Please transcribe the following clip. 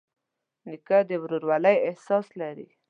نیکه د ورورولۍ احساس لري.